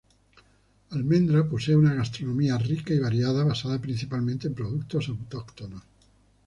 Almendra posee una gastronomía rica y variada basada principalmente en productos autóctonos.